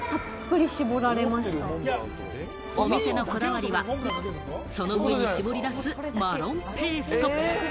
お店のこだわりはその上に絞り出す、マロンペースト。